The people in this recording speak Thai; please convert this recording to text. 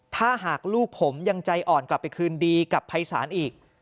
ถ้าหากลูกผมยังใจอ่อนกลับไปคืนดีกับภัยศาลอีก